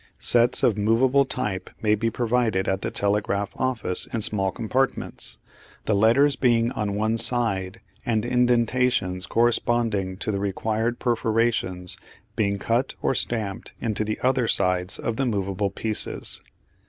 Sets of movable type may be provided at the telegraph office in small compartments, the letters being on one side and indentations corresponding to the required perforations being cut or stamped into the other sides of the movable pieces.